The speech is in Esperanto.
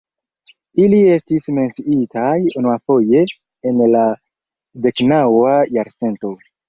Ili estis menciitaj unuafoje en la deknaŭa jarcento.